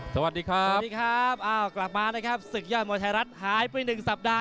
สวัสดีครับสวัสดีครับอ้าวกลับมานะครับศึกยอดมวยไทยรัฐหายไปหนึ่งสัปดาห